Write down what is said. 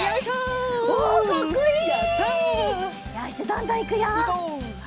どんどんいくよ！